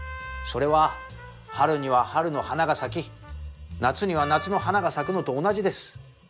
それは春には春の花が咲き夏には夏の花が咲くのと同じです。